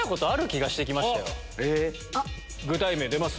具体名出ます？